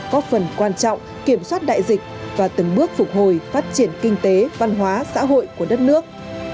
góp phần quan trọng kiểm soát đại dịch và từng bước phục hồi phát triển kinh tế văn hóa xã hội của đất nước